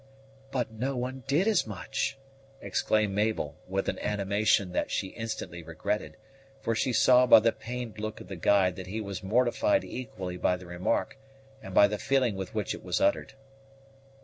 "But no one did as much!" exclaimed Mabel, with an animation that she instantly regretted; for she saw by the pained look of the guide that he was mortified equally by the remark and by the feeling with which it was uttered.